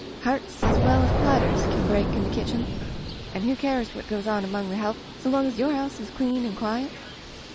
Hearts as well as platters can break in the kitchen, and who cares what goes on among the help so long as your house is clean and quiet